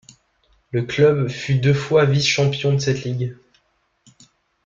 Le club fut deux fois vice-champion de cette ligue.